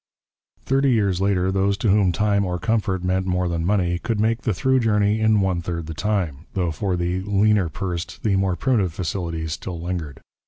Thirty years later those to whom time or comfort meant more than money could make the through journey in one third the time, though for the leaner pursed the more primitive facilities still lingered.